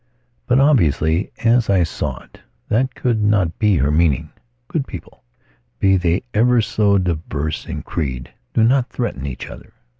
But obviously, as I saw it, that could not be her meaning. Good people, be they ever so diverse in creed, do not threaten each other.